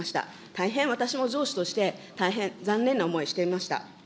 大変私も上司として、大変、残念な思いをしておりました。